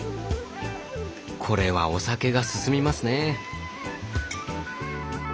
これはお酒が進みますね。